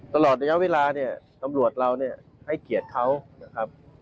ตอนย้ายเวลาตำรวจเราให้เกียรติเขาครับ